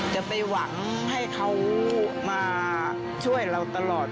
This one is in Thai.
จะไปหวังให้เขามาช่วยเราตลอด